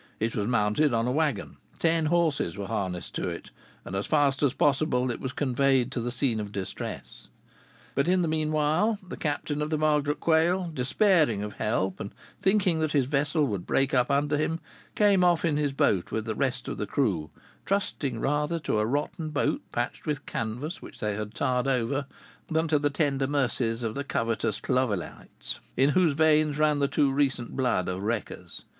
It was mounted on a wagon; ten horses were harnessed to it; and as fast as possible it was conveyed to the scene of distress. But in the mean while the captain of the Margaret Quail, despairing of help and thinking that his vessel would break up under him, came off in his boat with the rest of the crew, trusting rather to a rotten boat, patched with canvas which they had tarred over, than to the tender mercies of the covetous Clovellites, in whose veins ran the too recent blood of wreckers.